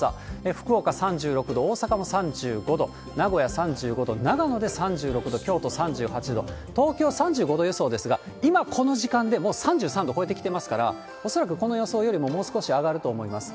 福岡３６度、大阪も３５度、名古屋３５度、長野で３６度、京都３８度、東京３５度予想ですが、今この時間でもう３３度超えてきてますから、恐らくこの予想よりももう少し上がると思います。